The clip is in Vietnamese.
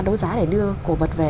đối giá để đưa cổ vật về